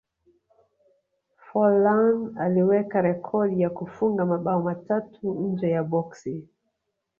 forlan aliweka rekodi ya kufunga mabao matatu nje ya boksi